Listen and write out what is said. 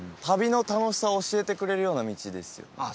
旅の楽しさを教えてくれるような道ですよね